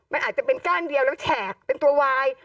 มันอาจจะเป็นก้านเดียวแล้วแฉกเป็นตัววาย